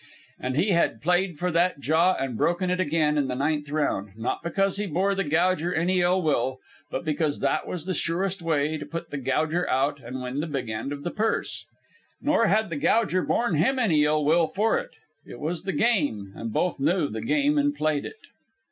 And he had played for that jaw and broken it again in the ninth round, not because he bore the Gouger any ill will, but because that was the surest way to put the Gouger out and win the big end of the purse. Nor had the Gouger borne him any ill will for it. It was the game, and both knew the game and played it.